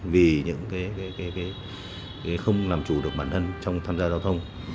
vì những không làm chủ được bản thân trong tham gia giao thông